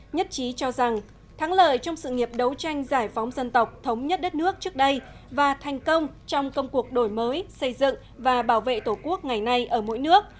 nhất trí cho rằng thắng lợi trong sự nghiệp đấu tranh giải phóng dân tộc thống nhất đất nước trước đây và thành công trong công cuộc đổi mới xây dựng và bảo vệ tổ quốc ngày nay ở mỗi nước